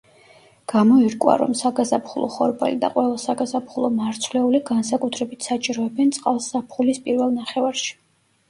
გამოირკვა, რომ საგაზაფხულო ხორბალი და ყველა საგაზაფხულო მარცვლეული განსაკუთრებით საჭიროებენ წყალს ზაფხულის პირველ ნახევარში.